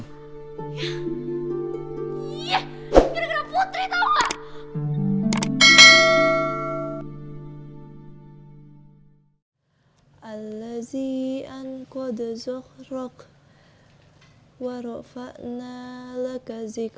gara gara putri tau gak